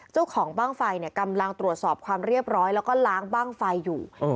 เจ้าของบ้างไฟกำลังตรวจสอบความเรียบร้อยแล้วก็ล้างบ้างไฟอยู่